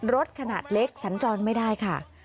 รถขนาดเล็กสัญจรไม่ได้ค่ะ